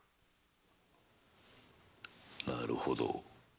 なるほど。